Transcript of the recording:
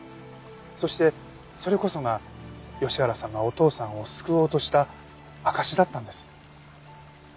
そしてそれこそが吉原さんがお父さんを救おうとした証しだったんです。